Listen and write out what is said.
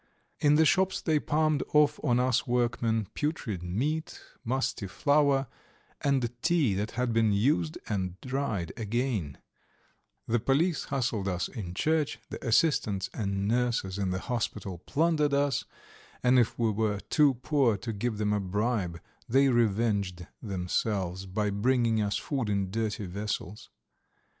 In the shops they palmed off on us workmen putrid meat, musty flour, and tea that had been used and dried again; the police hustled us in church, the assistants and nurses in the hospital plundered us, and if we were too poor to give them a bribe they revenged themselves by bringing us food in dirty vessels.